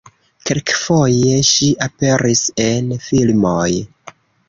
Kelkfoje ŝi aperis en filmoj.